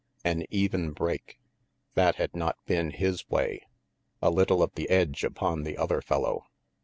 An even break? That had not been his way. A little of the edge upon the other fellow.